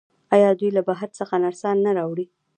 آیا دوی له بهر څخه نرسان نه راوړي؟